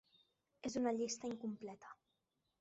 "És una llista incompleta"